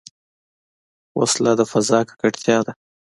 وسله د فضا ککړتیا ده